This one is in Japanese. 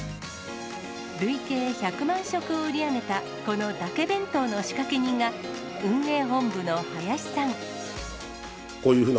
累計１００万食を売り上げた、このだけ弁当の仕掛け人が、運営本部の林さん。